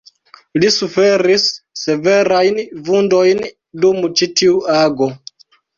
Li suferis severajn vundojn dum ĉi tiu ago.